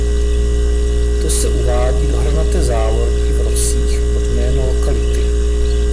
To se uvádí do hranaté závorky v rocích pod jméno lokality.